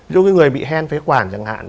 ví dụ cái người bị hen phế quản chẳng hạn